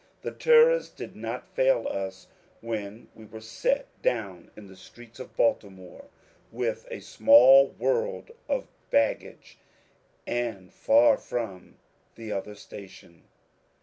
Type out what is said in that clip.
The terrors did not fail us when we were set down in the streets of Baltimore, with a small world of baggage and far from the other station.